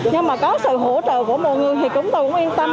nhưng mà có sự hỗ trợ của mọi người thì chúng tôi cũng yên tâm